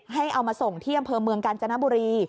เอามาส่งที่อำเภอเมืองกาญจนบุรี